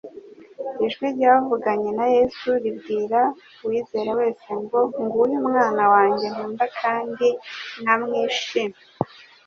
Ijwi ryavuganye na Yesu ribwira uwizera wese ngo Nguyu umwana wanjye nkunda kandi nkamwishi